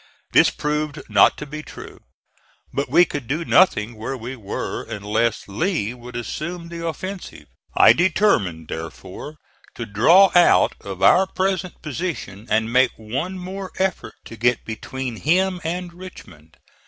This proved not to be true. But we could do nothing where we were unless Lee would assume the offensive. I determined, therefore, to draw out of our present position and make one more effort to get between him and Richmond.